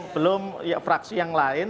belum fraksi yang lain